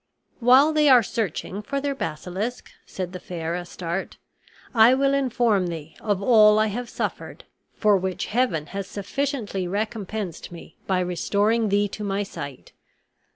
"While they are searching for their basilisk," said the fair Astarte, "I will inform thee of all I have suffered, for which Heaven has sufficiently recompensed me by restoring thee to my sight.